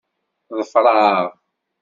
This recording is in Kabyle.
Ḍfer-aɣ.